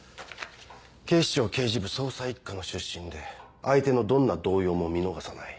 警視庁刑事部捜査一課の出身で相手のどんな動揺も見逃さない。